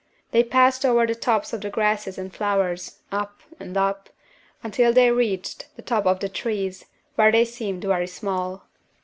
They passed over the tops of the grasses and flowers, up and up, until they reached the tops of the trees, where they seemed very small.